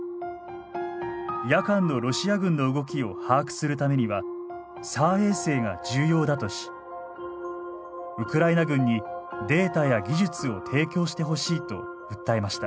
夜間のロシア軍の動きを把握するためにはＳＡＲ衛星が重要だとしウクライナ軍にデータや技術を提供してほしいと訴えました。